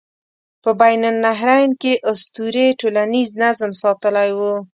په بین النهرین کې اسطورې ټولنیز نظم ساتلی و.